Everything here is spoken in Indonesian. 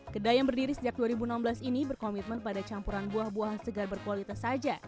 kedai yang berdiri sejak dua ribu enam belas ini berkomitmen pada campuran buah buahan segar berkualitas saja